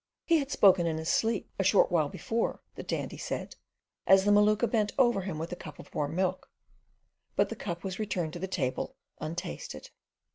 He had spoken in his sleep a short while before the Dandy said as the Maluka bent over him with a cup of warm milk, but the cup was returned to the table untasted.